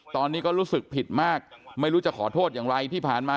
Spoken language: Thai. ตอนนี้ก็รู้สึกผิดมากไม่รู้จะขอโทษอย่างไรที่ผ่านมา